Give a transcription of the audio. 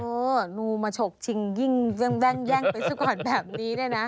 เออนูมาฉกชิงยิ่งแว่งแย่งไปสักวันแบบนี้เนี่ยนะ